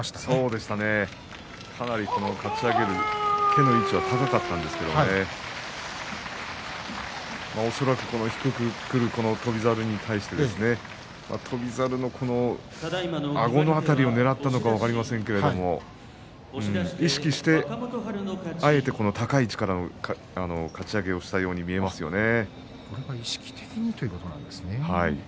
今日もかち上げていって手の位置高かったんですけれど恐らく低くくる翔猿に対してあごの辺りをねらったのか分かりませんけれども意識して、あえて高い位置からのかち上げをしたように見えましたよね。